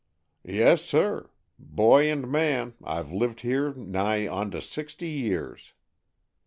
"Yes, sir. Boy and man, I've lived here nigh onto sixty years."